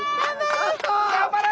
頑張れ！